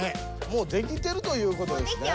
もうできてるということですね。